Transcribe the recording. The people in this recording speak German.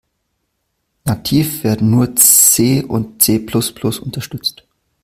Nativ werden nur C und C-plus-plus unterstützt.